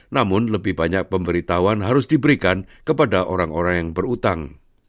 namun lebih banyak pemberitahuan harus diberikan kepada orang orang yang berutang